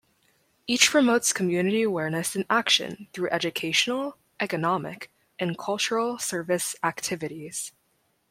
Each promotes community awareness and action through educational, economic, and cultural service activities.